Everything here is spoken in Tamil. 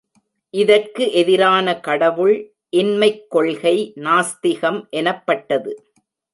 இதற்கு எதிரான கடவுள் இன்மைக் கொள்கை நாஸ்திகம் எனப்பட்டது.